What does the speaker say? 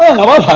oh ya gaapa